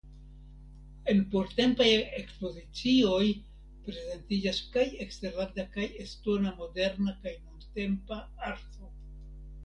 En portempaj ekspozicioj prezentiĝas kaj eksterlanda kaj estona moderna kaj nuntempa arto.